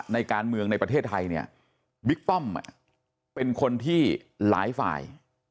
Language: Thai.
ในการเมืองในประเทศไทยเนี่ยบิ๊กป้อมเป็นคนที่หลายฝ่าย